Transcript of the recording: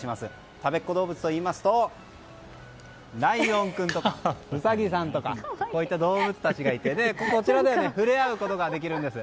たべっ子どうぶつといいますとライオン君とかウサギさんとかこういった動物たちがいてこちらでは触れ合うことができるんです。